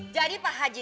jadi pak haji